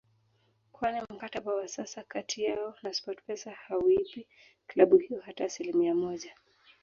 kwani mkataba wa sasa kati yao na Sportpesa hauipi klabu hiyo hata asilimia moja